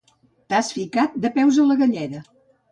T'has ficat de peus a la galleda